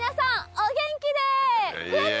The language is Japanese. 「お元気で」